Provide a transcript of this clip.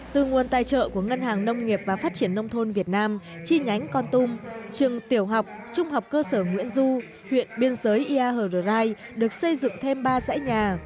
từ nguồn tài trợ của ngân hàng nông nghiệp và phát triển nông thôn việt nam chi nhánh con tum trường tiểu học trung học cơ sở nguyễn du huyện biên giới ia hờ đờ rai được xây dựng thêm ba dãy nhà